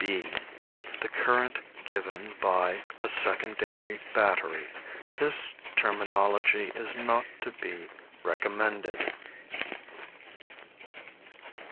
(b) The current given by a secondary battery. This terminology is not to be recommended.